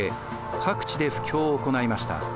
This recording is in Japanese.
各地で布教を行いました。